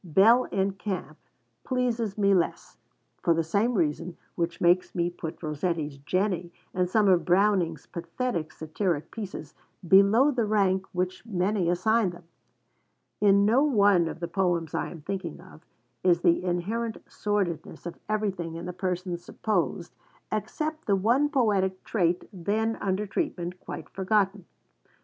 'Bell in Camp' pleases me less, for the same reason which makes me put Rossetti's 'Jenny,' and some of Browning's pathetic satiric pieces, below the rank which many assign them. In no one of the poems I am thinking of, is the inherent sordidness of everything in the persons supposed, except the one poetic trait then under treatment, quite forgotten.